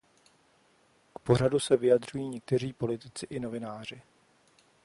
K pořadu se vyjadřují někteří politici i novináři.